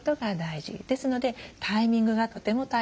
ですのでタイミングがとても大切です。